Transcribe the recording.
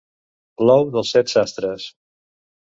L'ou dels set sastres.